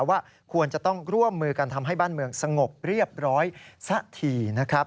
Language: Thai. ว่าควรจะต้องร่วมมือกันทำให้บ้านเมืองสงบเรียบร้อยสักทีนะครับ